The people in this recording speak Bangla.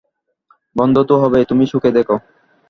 গন্ধ তো হবেই-তুমি শুঁকে দেখ।